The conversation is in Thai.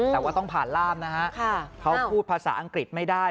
แต่ว่าต้องผ่านล่ามนะฮะเขาพูดภาษาอังกฤษไม่ได้